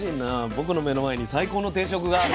僕の目の前に最高の定食がある。